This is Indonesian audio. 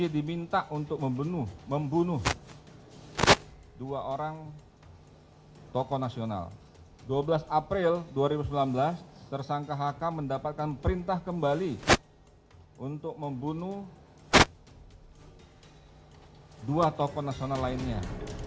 selain itu juga terungkap rencana pembunuhan seorang pimpinan lembaga survei swasta yang akan dilakukan kelompok yang sama